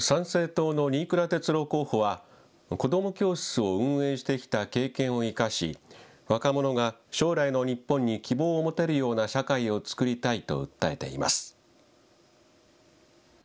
参政党の新倉哲郎候補は、子ども教室を運営してきた経験を生かし若者が将来の日本に希望を持てるような社会をつくりたいと訴えています。